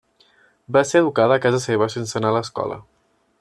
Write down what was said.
Va ser educada a casa seva sense anar a l'escola.